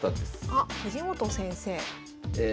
あっ藤本先生。